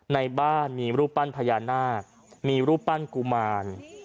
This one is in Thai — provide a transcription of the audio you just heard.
ในบ้านมีรูปปั้นพญานาคมีรูปปั้นกุมาร